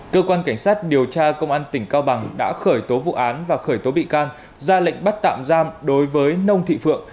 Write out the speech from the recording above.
cơ quan cảnh sát điều tra công an tỉnh cao bằng đã khởi tố vụ án và khởi tố bị can ra lệnh bắt tạm giam đối với nông thị phượng